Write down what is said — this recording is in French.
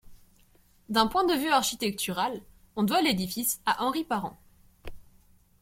D'un point de vue architectural, on doit l'édifice à Henri Parent.